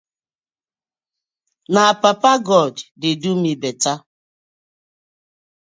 Na papa god dey do mi better.